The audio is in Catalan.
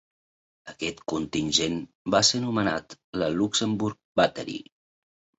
Aquest contingent va ser nomenat la Luxembourg Battery.